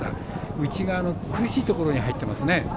内側の苦しいところに入っていますね。